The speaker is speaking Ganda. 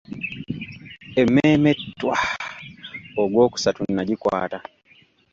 Emmeeme ttwaa! ogwokusatu nagikwata.